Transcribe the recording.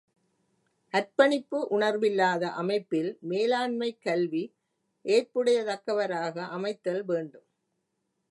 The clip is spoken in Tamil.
அர்ப்பணிப்பு உணர்வில்லாத அமைப்பில் மேலாண்மை கல்வி ஏற்புடைய தக்கவராக அமைத்தல் வேண்டும்.